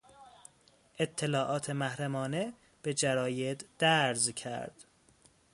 اطلاعات محرمانه به جراید درز کرد.